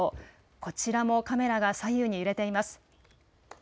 こちらもカメラが左右に揺れています。